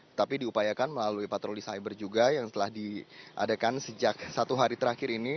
tetapi diupayakan melalui patroli cyber juga yang telah diadakan sejak satu hari terakhir ini